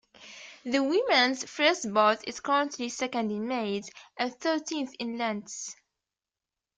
The women's first boat is currently second in Mays and thirteenth in Lents.